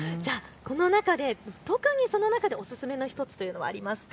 特にその中でおすすめの１つというのはありますか。